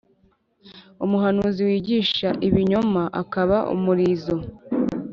umuhanuzi wigisha ibinyoma, akaba umurizo.